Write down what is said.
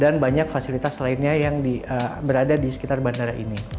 dan banyak fasilitas lainnya yang berada di sekitar bandara ini